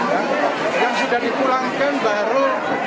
yang sudah dipulangkan baru